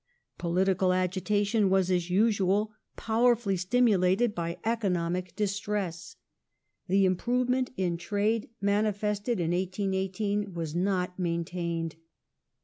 Political agitation was, as usual, powerfully stimulated by economic distress. The improvement in trade manifested in 1818 was not maintained.